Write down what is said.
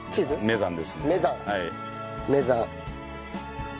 メザン。